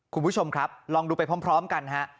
คุณผู้ชมครับลองดูไปพร้อมกันฮะ